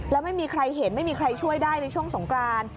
แล้วไม่มีใครเห็นไม่มีใครช่วยได้ในช่วงสงกราน